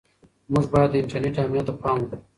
موږ باید د انټرنیټ امنیت ته پام وکړو.